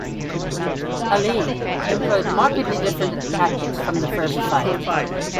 Ali employed markedly different tactics from the first fight.